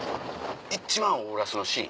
一番オーラスのシーン？